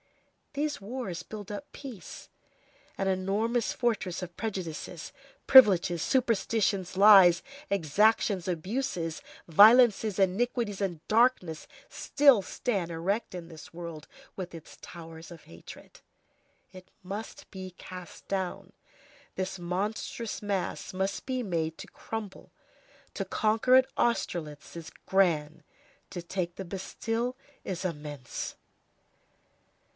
These wars build up peace. An enormous fortress of prejudices, privileges, superstitions, lies, exactions, abuses, violences, iniquities, and darkness still stands erect in this world, with its towers of hatred. It must be cast down. This monstrous mass must be made to crumble. To conquer at Austerlitz is grand; to take the Bastille is immense.